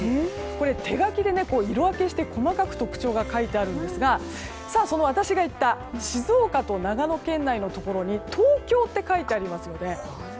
これ、手書きで色分けして細かく特徴が書いてあるんですが私が言った静岡と長野県内のところに東京と書いてありますよね。